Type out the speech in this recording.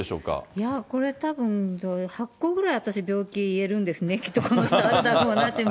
いやこれ、たぶん、８個ぐらい私、病気言えるんですね、きっとこの人、あるだろうなっていう。